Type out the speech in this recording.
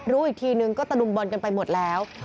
รู้อีกทีนึงก็ตะลุมบอลกันไปหมดแล้ว